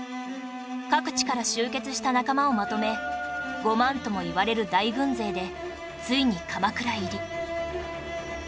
各地から集結した仲間をまとめ５万ともいわれる大軍勢でついに鎌倉入り